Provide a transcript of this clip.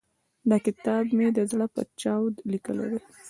دا کتاب مې د زړه په چاود ليکلی دی.